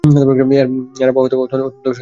এর আবহাওয়া অত্যন্ত ঠাণ্ডা প্রকৃতির।